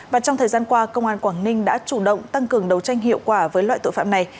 và trong thời gian qua công an quảng ninh đã chủ động tăng cường đấu tranh hiệu quả với loại tội phạm này